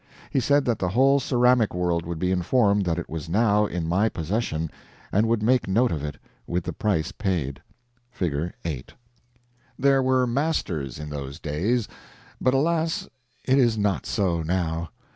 He said that the whole Ceramic world would be informed that it was now in my possession and would make a note of it, with the price paid. [Figure 8] There were Masters in those days, but, alas it is not so now.